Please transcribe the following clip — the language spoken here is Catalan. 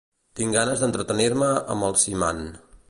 Tinc ganes d'entretenir-me amb els "Simant".